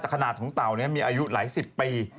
จากขนาดของตัวนี่มีอายุหลายสิบปี